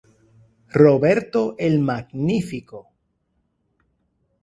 Roberto el Magnífico.